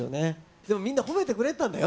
でもみんな褒めてくれてたんだよ。